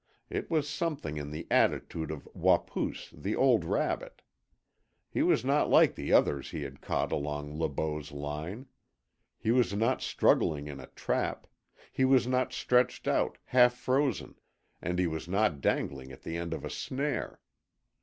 It was something in the attitude of Wapoos, the old rabbit. He was not like the others he had caught along Le Beau's line. He was not struggling in a trap; he was not stretched out, half frozen, and he was not dangling at the end of a snare.